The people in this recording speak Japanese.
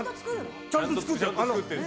ちゃんと作るの？